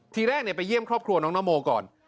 ทีแรกไปเยี่ยมครอบครัวน้องนโมก่อน